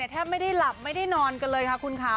แทบไม่ได้หลับไม่ได้นอนกันเลยค่ะคุณค่ะ